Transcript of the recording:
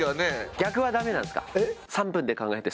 逆はダメなんですか？